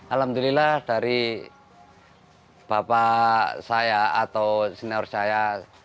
alhamdulillah dari bapak saya atau senior saya